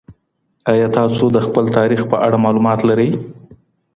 آيا تاسو د خپل تاريخ په اړه معلومات لرئ؟